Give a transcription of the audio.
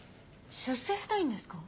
出世したいんですか？